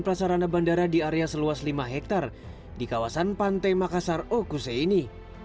bandara ini berada di seluas lima hektare di kawasan pantai makassar okusi